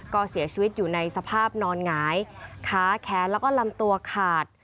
ก็เสียชีวิตอยู่ในสภาพนอนหงายขาแขนแล้วก็ลำตัวขาด